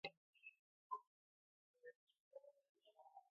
"Work" is the main verb, indicating the action being performed.